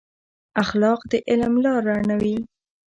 اخلاق د علم لار رڼوي.